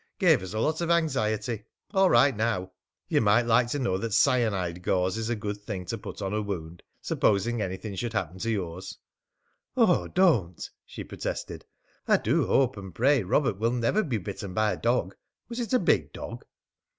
Gave us a lot of anxiety. All right now! You might like to know that cyanide gauze is a good thing to put on a wound supposing anything should happen to yours " "Oh, don't!" she protested. "I do hope and pray Robert will never be bitten by a dog. Was it a big dog?"